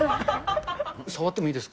触ってもいいですか。